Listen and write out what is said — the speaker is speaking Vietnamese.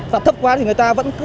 phạm thấp quá thì người ta vẫn cứ